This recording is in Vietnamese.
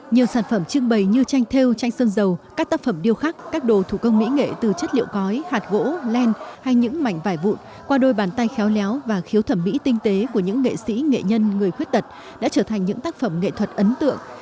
nhiều sản phẩm trưng bày như tranh theo tranh sơn dầu các tác phẩm điêu khắc các đồ thủ công mỹ nghệ từ chất liệu cói hạt gỗ len hay những mảnh vải vụn qua đôi bàn tay khéo léo và khiếu thẩm mỹ tinh tế của những nghệ sĩ nghệ nhân người khuyết tật đã trở thành những tác phẩm nghệ thuật ấn tượng